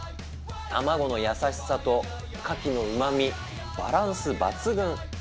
卵の優しさとカキのうまみ、バランス抜群。